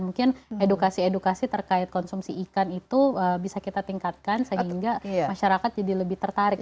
mungkin edukasi edukasi terkait konsumsi ikan itu bisa kita tingkatkan sehingga masyarakat jadi lebih tertarik